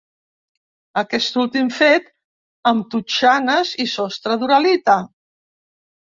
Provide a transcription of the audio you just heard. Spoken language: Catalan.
Aquest últim fet amb totxanes i sostre d'uralita.